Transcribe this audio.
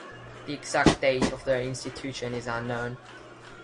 The exact date of their institution is unknown.